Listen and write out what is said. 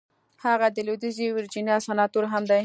هغه د لويديځې ويرجينيا سناتور هم دی.